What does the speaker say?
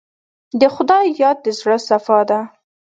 د خدای یاد د زړه صفا ده.